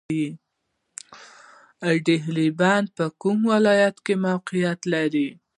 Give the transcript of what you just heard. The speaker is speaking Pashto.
د دهلې بند په کوم ولایت کې موقعیت لري؟